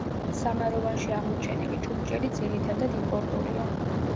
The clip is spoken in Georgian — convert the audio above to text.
სამაროვანში აღმოჩენილი ჭურჭელი ძირითადად იმპორტულია.